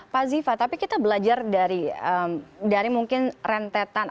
pak ziva tapi kita belajar dari mungkin rentetan